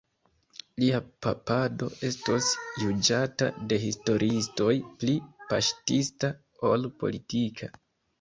Lia papado estos juĝata de historiistoj pli paŝtista ol politika.